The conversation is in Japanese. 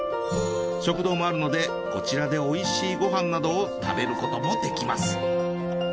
食堂もあるのでこちらでおいしいごはんなどを食べることもできます。